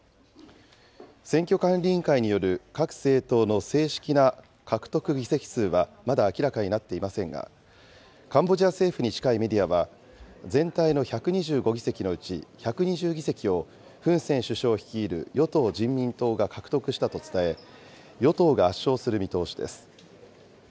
選挙管理委員会による各政党の正式な獲得議席数はまだ明らかになっていませんが、カンボジア政府に近いメディアは、全体の１２５議席のうち１２０議席をフン・セン首相率いる与党・人民党が獲得したと伝え、与党が圧勝する見通しです。